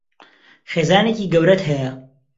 خێزانێکی گەورەت هەیە؟